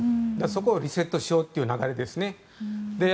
そこをリセットしようという流れですね。